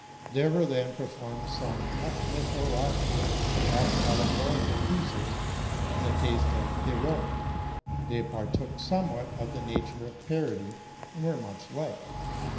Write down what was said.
There were then performed some half mythological, half allegorical pieces in the taste of Piron: they partook somey what of the nature of parody, and were much liked.